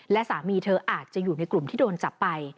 และสามีเธออาจจะอยู่ในกลุ่มที่โดนจับไป